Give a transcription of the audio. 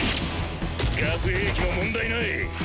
ガス兵器も問題ない。